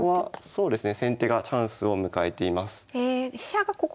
そうですね。